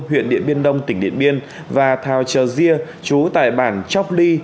huyện điện biên đông tỉnh điện biên và thao trờ gia chú tại bản chóc ly